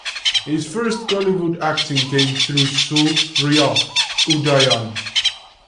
His first Kollywood acting came through "Suriya Udayan".